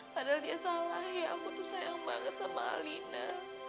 padahal dia salah ya aku tuh sayang banget sama alina